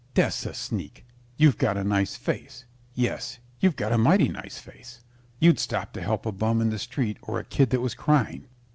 Death's a sneak. You've got a nice face. Yes; you've got a mighty nice face. You'd stop to help a bum in the street or a kid that was crying.